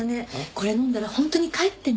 これ飲んだら本当に帰ってね。